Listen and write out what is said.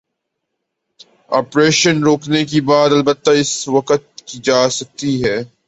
Operation روکنے کی بات، البتہ اسی وقت کی جا سکتی ہے۔